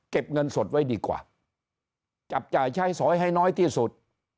เงินสดไว้ดีกว่าจับจ่ายใช้สอยให้น้อยที่สุด